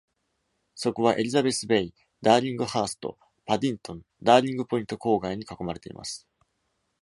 そこはエリザベスベイ、ダーリングハースト、パディントン、ダーリングポイント郊外に囲まれています。